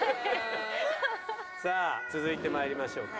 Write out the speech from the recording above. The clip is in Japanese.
さあ続いてまいりましょうか。